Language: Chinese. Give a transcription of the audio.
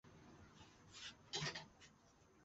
随后贬为麟山驿丞。